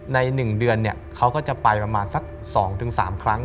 ใน๑เดือนเขาก็จะไปประมาณสัก๒๓ครั้ง